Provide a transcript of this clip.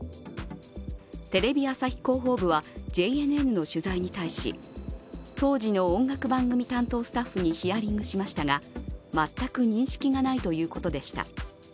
テレビ朝日広報部はＪＮＮの取材に対し、当時の音楽番組担当スタッフにヒアリングしましたが全く認識がないということでした。